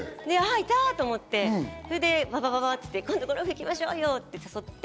いたと思って、ばばばばって行って、ゴルフ行きましょうよ！って誘って。